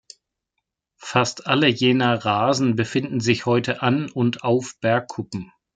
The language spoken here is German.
Fast alle jener „Rasen“ befinden sich heute an und auf Bergkuppen.